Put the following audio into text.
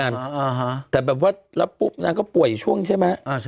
อ่าฮะแต่แบบว่าแล้วปุ๊บนางก็ป่วยช่วงใช่ไหมอ่าใช่